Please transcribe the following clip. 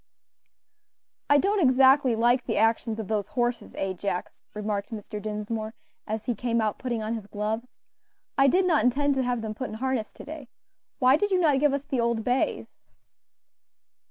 "I don't exactly like the actions of those horses, Ajax," remarked Mr. Dinsmore, as he came out putting on his gloves; "I did not intend to have them put in harness to day. Why did you not give us the old bays?"